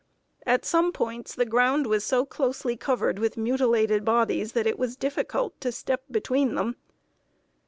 At some points the ground was so closely covered with mutilated bodies that it was difficult to step between them.